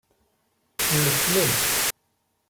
Neflen.